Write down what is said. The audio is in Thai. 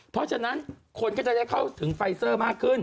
เพราะฉะนั้นคนก็จะได้เข้าถึงไฟเซอร์มากขึ้น